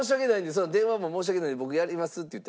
そんな電話も申し訳ないんで僕やります」って言って。